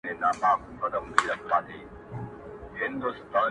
اوس مي له هري لاري پښه ماته ده,